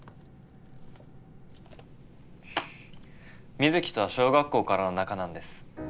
水城とは小学校からの仲なんです。